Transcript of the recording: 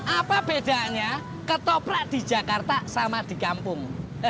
apa bedanya ketoprak di jakarta sama di kampung